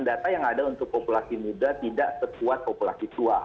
data yang ada untuk populasi muda tidak sekuat populasi tua